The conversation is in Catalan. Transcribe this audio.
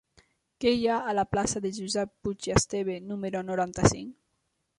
Què hi ha a la plaça de Josep Puig i Esteve número noranta-cinc?